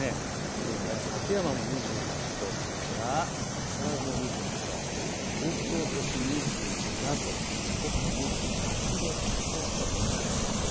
それから館山も２８度、木更津も２８度、東京都心２７度、横浜２８度などとなっています。